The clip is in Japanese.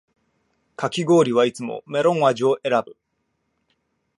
かき氷はいつもメロン味を選ぶ